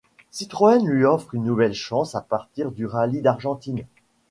Citroën lui offre une nouvelle chance à partir du rallye d'Argentine.